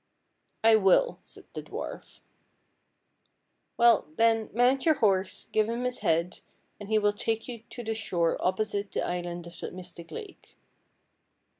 "" I will," said the dwarf. " Well, then, mount your horse, give him his head, and he will take you to the shore opposite the Island of the Mystic Lake.